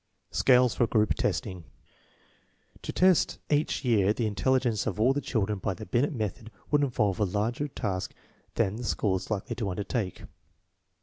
1 Scales for group testing. To test each year the intelligence of all the children by the Binet method would involve a larger task than the school is likely to undertake.